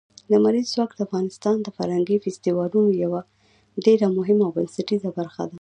لمریز ځواک د افغانستان د فرهنګي فستیوالونو یوه ډېره مهمه او بنسټیزه برخه ده.